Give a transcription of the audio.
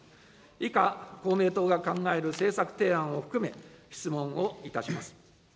以下、公明党が考える政策提案を含め、質問をいたします。